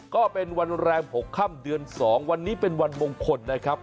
ก็เป็นวันแรม๖ค่ำเดือน๒วันนี้เป็นวันมงคลนะครับ